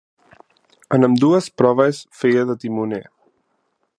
En ambdues proves feia de timoner.